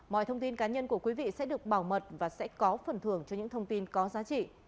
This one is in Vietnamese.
mọi thông tin cá nhân của quý vị sẽ được bảo mật và sẽ có phần thưởng cho những thông tin có giá trị